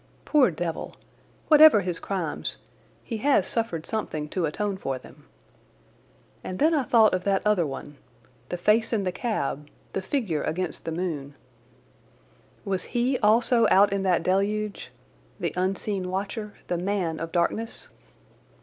Poor devil! Whatever his crimes, he has suffered something to atone for them. And then I thought of that other one—the face in the cab, the figure against the moon. Was he also out in that deluged—the unseen watcher, the man of darkness?